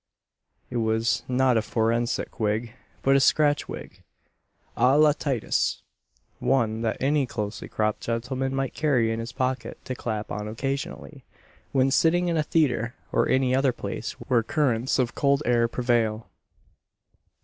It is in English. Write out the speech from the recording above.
It was not a forensic wig, but a scratch wig, à la Titus one that any closely cropped gentleman might carry in his pocket to clap on occasionally, when sitting in a theatre, or any other place where currents of cold air prevail.